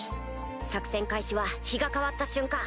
作戦開始は日が変わった瞬間